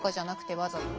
わざと。